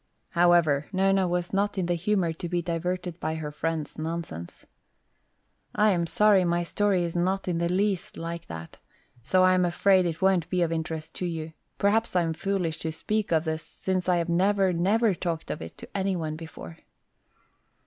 However, Nona was not in the humor to be diverted by her friend's nonsense. "I am sorry my story is not in the least like that. So I am afraid it won't be of interest to you. Perhaps I am foolish to speak of this, since I have never, never talked of it to any one before."